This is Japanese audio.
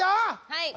はい。